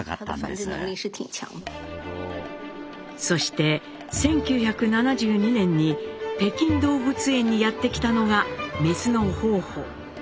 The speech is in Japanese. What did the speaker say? そして１９７２年に北京動物園にやって来たのがメスの方方。